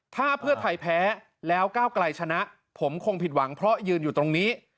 ถ้าเพื่อไทยแพ้แล้วก้าวไกลชนะผมคงผิดหวังเพราะยืนอยู่ตรงนี้